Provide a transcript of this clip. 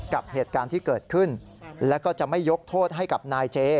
กับเหตุการณ์ที่เกิดขึ้นแล้วก็จะไม่ยกโทษให้กับนายเจ